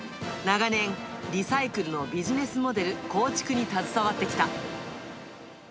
長年、リサイクルのビジネスモデル構築に携わってきた。